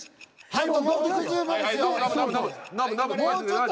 はい。